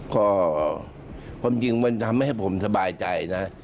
ก็ความจริงมันทำให้ผมสบายใจนะ